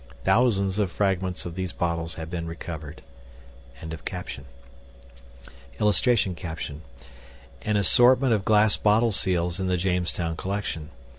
THOUSANDS OF FRAGMENTS OF THESE BOTTLES HAVE BEEN RECOVERED.] [Illustration: AN ASSORTMENT OF GLASS BOTTLE SEALS IN THE JAMESTOWN COLLECTION.